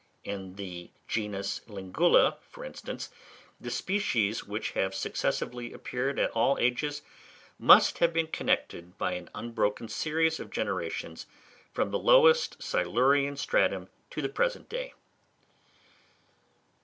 In the genus Lingula, for instance, the species which have successively appeared at all ages must have been connected by an unbroken series of generations, from the lowest Silurian stratum to the present day.